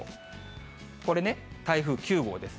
これね、台風９号です。